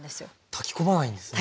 炊き込まないんですね。